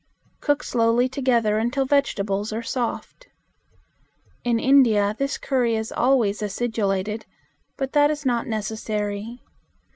Cook slowly together until vegetables are soft. In India this curry is always acidulated, but that is not necessary.